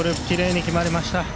きれいに決まりました。